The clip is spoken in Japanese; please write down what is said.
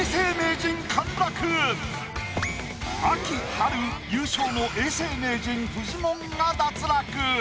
春夏優勝の永世名人フジモンが脱落。